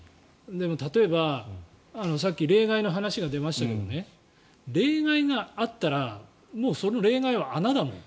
例えば、さっき例外の話が出ましたけど例外があったらもうその例外は穴だもん。